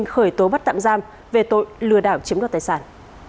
khởi tố bắt tạm giam về tội lừa đảo chiếm đoạt tài sản